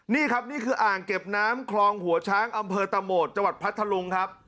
นี่ครับนี่คืออ่างเก็บน้ำคลองหัวช้างอำเภอตะโหมดจังหวัดพัทธลุงครับ